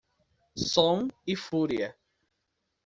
Som e fúria